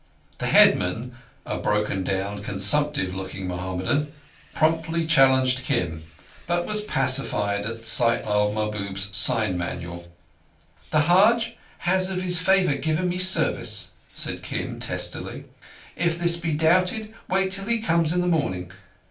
The headman, a broken down, consumptive looking Mohammedan, promptly challenged Kim, but was pacified at sight of Mahbub's sign manual. "The Hajji has of his favour given me service," said Kim testily. "If this be doubted, wait till he comes in the morning.